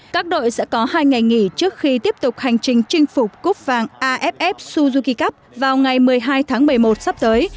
các đội sẽ có hai ngày nghỉ trước khi tiếp tục hành trình chinh phục cúp vàng aff suzuki cup vào ngày một mươi hai tháng một mươi một sắp tới